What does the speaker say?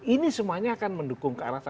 ini semuanya akan mendukung ke arah sana